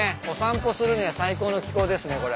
お散歩するには最高の気候ですね